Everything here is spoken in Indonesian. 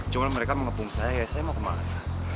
cuma mereka mengepung saya saya mau ke malas